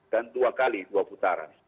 dan dua kali dua putaran